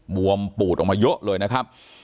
วมปูดออกมาเยอะเลยนะครับ